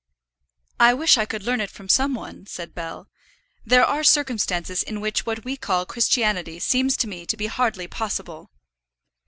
"I wish I could learn it from some one," said Bell. "There are circumstances in which what we call Christianity seems to me to be hardly possible."